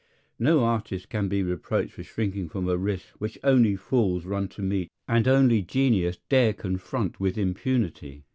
No artist can be reproached for shrinking from a risk which only fools run to meet and only genius dare confront with impunity.